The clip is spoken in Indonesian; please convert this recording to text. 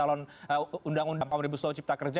omnibus law cipta kerja